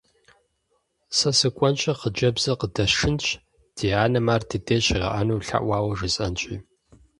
Сэ сыкӏуэнщи, хъыджэбзыр къыдэсшынщ, ди анэм ар дыдей щигъэӀэну лъэӀуауэ жысӏэнщи.